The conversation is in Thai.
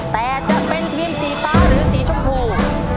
แต่จะเป็นทีมสีฟ้าหรือสีชมพู